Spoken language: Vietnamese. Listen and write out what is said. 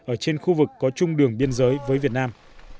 ở trên khu vực có chung đường biên giới với việt nam